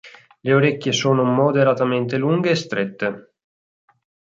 Le orecchie sono moderatamente lunghe e strette.